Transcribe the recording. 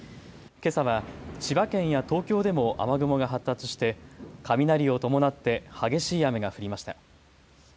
けさは千葉県や東京でも雨雲が発達して雷を伴って激しい雨が降りました。